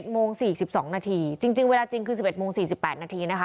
โมง๔๒นาทีจริงเวลาจริงคือ๑๑โมง๔๘นาทีนะคะ